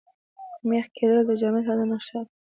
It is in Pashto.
مېخ کېدل د جامد حالت نخښه ده.